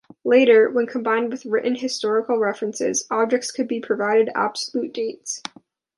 Later, when combined with written historical references, objects could be provided absolute dates.